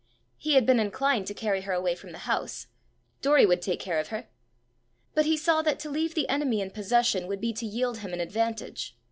He had been inclined to carry her away from the house: Doory would take care of her! But he saw that to leave the enemy in possession would be to yield him an advantage.